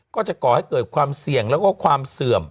ก่อให้เกิดความเสี่ยงแล้วก็ความเสื่อม